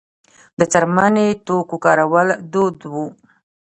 د څرمي توکو کارول دود و